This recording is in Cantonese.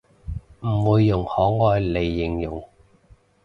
唔會用可愛嚟形容